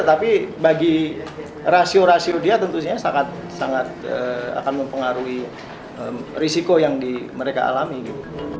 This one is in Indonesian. tapi bagi rasio rasio dia tentunya sangat akan mempengaruhi risiko yang mereka alami gitu